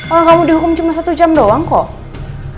oh kamu dihukum cuma satu jam doang kok